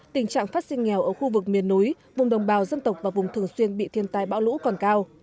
tình trạng phát sinh nghèo ở khu vực miền núi vùng đồng bào dân tộc và vùng thường xuyên bị thiên tai bão lũ còn cao